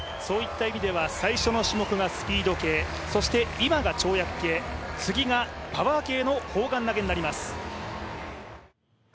最初の種目がスピード系、そして今が跳躍系、次がパワー系の砲丸投になります。